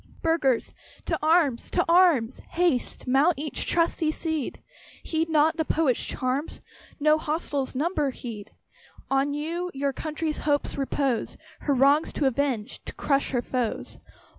Burghers! to arms! to arms! Haste, mount each trusty steed! Heed not the Prophet's charms, No hostile numbers heed! On you your country's hopes repose, Her wrongs to avenge to crush her foes.